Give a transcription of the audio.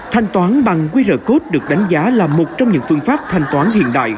thanh toán bằng qr code được đánh giá là một trong những phương pháp thanh toán hiện đại